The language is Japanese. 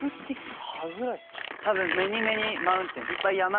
多分「メニーメニーマウンテン」。